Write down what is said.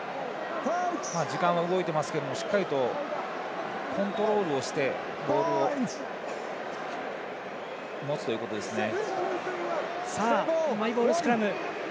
時間は動いていますけどしっかりとコントロールしてボールを持つということですね。